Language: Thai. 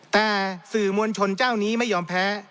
แต่สื่อมวลชนเจ้านี้ไม่ยอมแพ้